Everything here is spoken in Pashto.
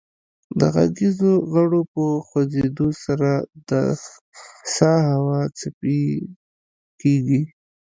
د غږیزو غړو په خوځیدو سره د سا هوا څپیزه کیږي